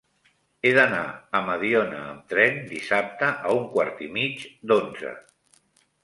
He d'anar a Mediona amb tren dissabte a un quart i mig d'onze.